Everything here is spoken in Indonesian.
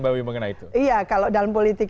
mbak wi mengenai itu iya kalau dalam politik